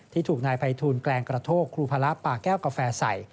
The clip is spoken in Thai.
ถูกนายภัยทูลแกลงกระโทกครูภาระปาแก้วกาแฟใส่